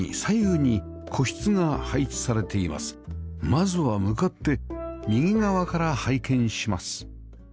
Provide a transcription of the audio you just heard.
まずは向かって右側から拝見します